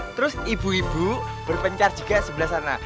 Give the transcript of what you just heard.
terus ibu ibu berpencar juga sebelah sana